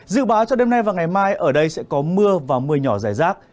dự báo cho đêm nay và ngày mai ở đây sẽ có mưa và mưa nhỏ rải rác